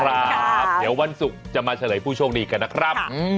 ครับเดี๋ยววันศุกร์จะมาเฉลยผู้โชคดีกันนะครับ